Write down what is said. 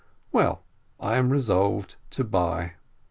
Well, I am resolved to buy.